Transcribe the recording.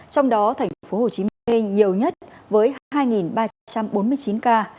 trong đó thành phố hồ chí minh nhiều nhất với hai ba trăm bốn mươi chín ca